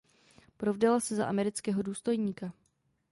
Provdala se za amerického důstojníka.